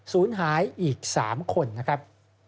สูญหายอีก๓คนนะครับ